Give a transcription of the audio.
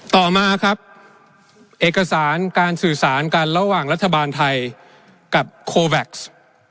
ต่อมาครับเอกสารการสื่อสารกันระหว่างรัฐบาลไทยกับโคแว็กซ์